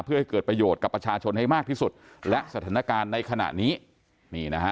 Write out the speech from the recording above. เพื่อให้เกิดประโยชน์กับประชาชนให้มากที่สุดและสถานการณ์ในขณะนี้นี่นะฮะ